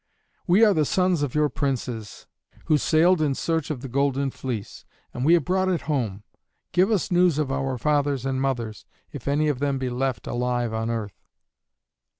"We are the sons of your princes, who sailed in search of the Golden Fleece, and we have brought it home. Give us news of our fathers and mothers, if any of them be left alive on earth."